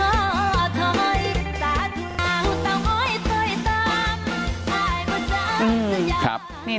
เอาไว้กันเลยค่ะเอาไว้กันเลยค่ะ